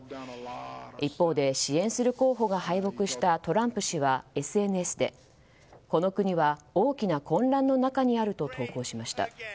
一方で、支援する候補が敗北したトランプ氏はＳＮＳでこの国は大きな混乱の中にあると投稿しました。